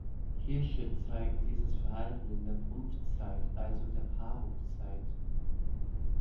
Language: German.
Hirsche zeigen dieses Verhalten in der Brunftzeit, also der Paarungszeit.